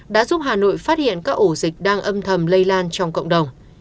đã giúp hà nội phát hiện các ổ dịch đang âm thầm lây lan trong cộng đồng